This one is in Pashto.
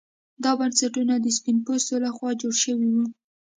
دا بنسټونه د سپین پوستو لخوا جوړ شوي وو.